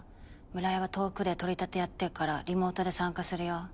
村井は遠くで取り立てやってっからリモートで参加するよ。